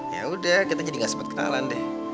ya udah kita jadi gak sempat kenalan deh